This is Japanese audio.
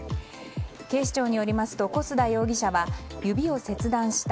警視庁によりますと小須田容疑者は指を切断した。